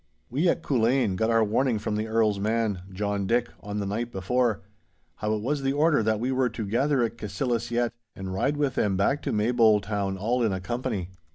We at Culzean got our warning from the Earl's man, John Dick, on the night before, how it was the order that we were to gather at Cassillis yett and ride with them back to Maybole town all in a company.